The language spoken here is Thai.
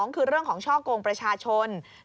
คือเรื่องของช่อกงประชาชน